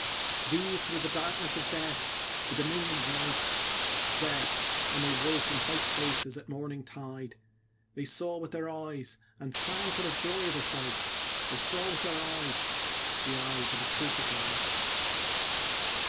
These through the darkness of death, the dominion of night, Swept, and they woke in white places at morning tide: They saw with their eyes, and sang for joy of the sight, They saw with their eyes the Eyes of the Crucified.